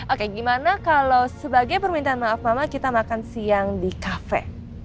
oke gimana kalau sebagai permintaan maaf mama kita makan siang di kafe